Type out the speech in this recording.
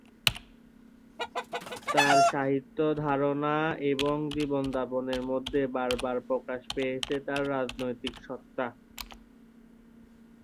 তার সাহিত্য সাধনা এবং জীবনযাপনের মধ্যে বারবার প্রকাশ পেয়েছে তার রাজনৈতিক সত্তা।